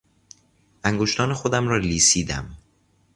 انگشتان خودم را لیسیدم.